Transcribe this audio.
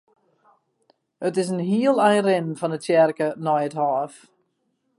It is in hiel ein rinnen fan de tsjerke nei it hôf.